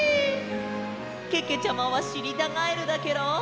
けけちゃまはしりたガエルだケロ！